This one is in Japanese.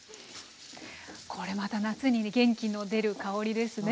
これまた夏に元気の出る香りですね。